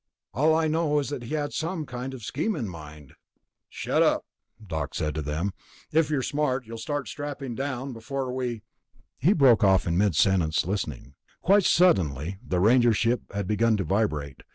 "All I know is that he had some kind of scheme in mind." "Shut up," Doc said to them. "If you're smart, you'll be strapping down before we...." He broke off in mid sentence, listening. Quite suddenly, the Ranger ship had begun to vibrate.